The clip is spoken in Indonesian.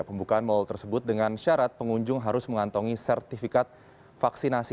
pembukaan mal tersebut dengan syarat pengunjung harus mengantongi sertifikat vaksinasi